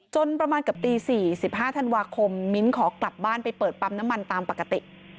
ประมาณเกือบตี๔๑๕ธันวาคมมิ้นขอกลับบ้านไปเปิดปั๊มน้ำมันตามปกติ